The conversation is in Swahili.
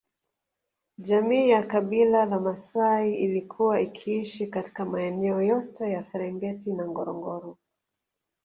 Jamii ya Kabila la Maasai ilikuwa ikiishi katika maeneo yote ya Serengeti na Ngorongoro